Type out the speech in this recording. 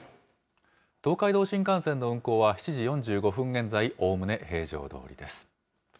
東海道新幹線の運行は７時４５分現在、おおむね平常どおりです。